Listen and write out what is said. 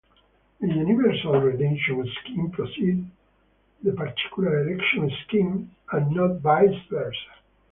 The universal redemption scheme precedes the particular election scheme, and not vice versa.